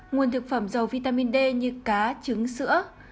nguồn thực phẩm dầu vitamin d như cá trứng sữa